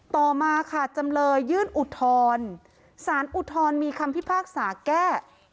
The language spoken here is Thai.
ต่อมาค่ะจำเลยยื่นอุทธรณ์สารอุทธรณมีคำพิพากษาแก้